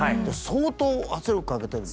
相当圧力かけてる。